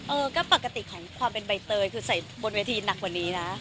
เออก็ปกติของความเป็นใบเตยคือใส่บนเวทีหนักกว่านี้นะ